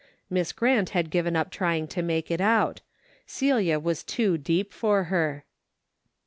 Miss Grant had given up trying to make it out. Celia was too deep for her.